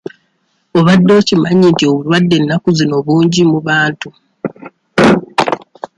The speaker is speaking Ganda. Obadde okimanyi nti obulwadde ennaku zino bungi mu bantu?